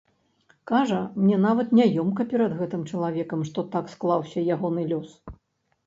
Кажа, мне нават няёмка перад гэтым чалавекам, што так склаўся ягоны лёс.